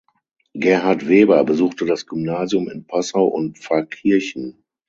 Gerhard Weber besuchte das Gymnasium in Passau und Pfarrkirchen.